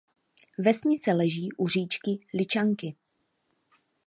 Vesnice leží u říčky Ličanky.